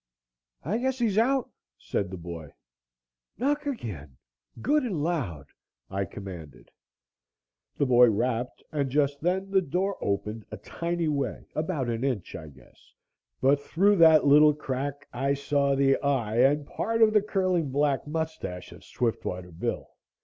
"I guess he's out," said the boy. "Knock again good and loud," I commanded. The boy rapped and just then the door opened a tiny way about an inch, I guess, but through that little crack I saw the eye and part of the curling black moustache of Swiftwater Bill.